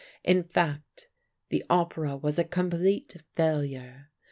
In fact, the opera was a complete failure.